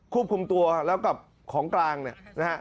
ควบคุมตัวแล้วกับของกลางเนี่ยนะฮะ